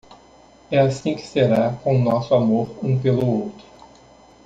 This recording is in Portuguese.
É assim que será com nosso amor um pelo outro.